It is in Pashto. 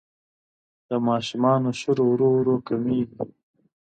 د ماشومانو شور ورو ورو کمېږي.